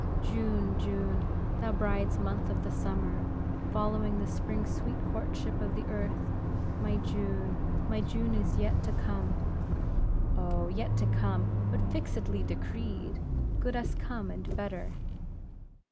"June! June! thou bride's month of the summer, following the spring's sweet courtship of the earth, my June, my June is yet to come!" "Oh! yet to come, but fixedly decreed; good as come, and better."